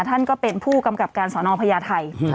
ท่านก็เป็นผู้กำกับการสอนอพญาไทย